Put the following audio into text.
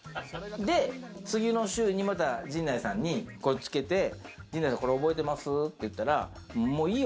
で次の週にまた陣内さんにこれつけて陣内さんこれ覚えてます？って言ったらもいいよ